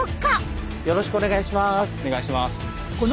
よろしくお願いします。